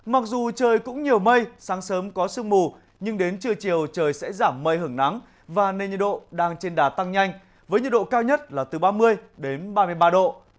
mặc dù trời cũng nhiều mây sáng sớm có sương mù nhưng đến trưa chiều trời sẽ giảm mây hưởng nắng và nên nhiệt độ đang trên đà tăng nhanh với nhiệt độ cao nhất là từ ba mươi đến ba mươi ba độ